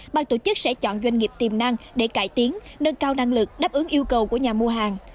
ban tổ chức sẽ chọn doanh nghiệp tiềm năng để cải tiến nâng cao năng lực đáp ứng yêu cầu của nhà mua hàng